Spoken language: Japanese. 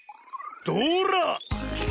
どら！